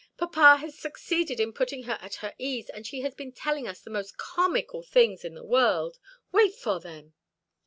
Papa has succeeded in putting her at her ease, and she has been telling us the most comical things in the world. Wait for them."